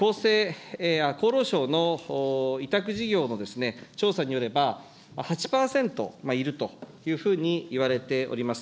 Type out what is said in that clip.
厚労省の委託事業の調査によれば、８％いるというふうにいわれております。